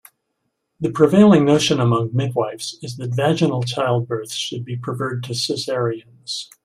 The prevailing notion among midwifes is that vaginal childbirths should be preferred to cesareans.